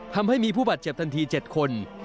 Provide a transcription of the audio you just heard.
ทำให้มีผู้บาดเจ็บทันที๗คน